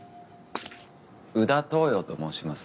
宇田桃葉と申します。